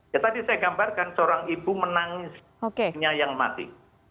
ya tadi saya gambarkan seorang ibu menangisnya yang mati